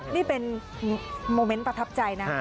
นี่เป็นโมเมนต์ประทับใจนะ